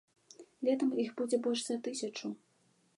Летам іх будзе больш за тысячу.